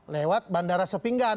lewat bandara sepinggan